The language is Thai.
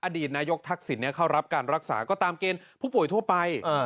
อดีตนายกทักษิณเข้ารับการรักษาก็ตามเกณฑ์ผู้ป่วยทั่วไป